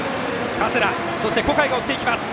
加世田、小海が追っていきます。